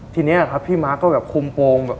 ทีนี้ครับพี่ม้าก็แบบคุมโปรงแบบ